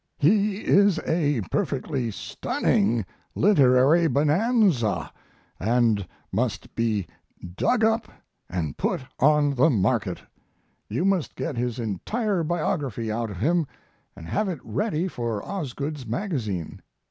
He is a perfectly stunning literary bonanza, and must be dug up and put on the market. You must get his entire biography out of him and have it ready for Osgood's magazine.